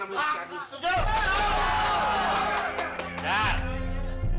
kalau perlu kita bakar tuh yang namanya si yadi setuju